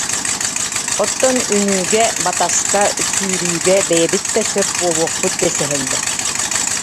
Оттон үҥүүгэ, батаска, сүүрүүгэ бэйэбит да сөп буолуохпут дэсиһэллэр